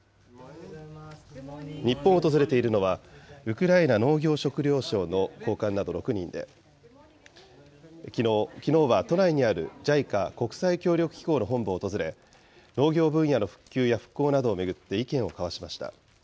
日本を訪れているのは、ウクライナ農業食料省の高官など６人で、きのうは都内にあるＪＩＣＡ・国際協力機構の本部を訪れ、農業分野の復旧や復興などを巡って意見を交わしました。